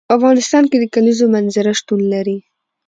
په افغانستان کې د کلیزو منظره شتون لري.